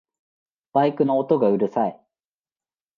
バイクの音がうるさい